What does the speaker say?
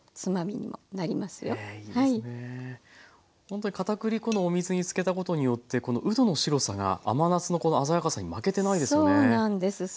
ほんとにかたくり粉のお水につけたことによってこのうどの白さが甘夏のこの鮮やかさに負けてないですよね。